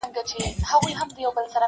د سوال یاري ده اوس به دړي وړي سینه،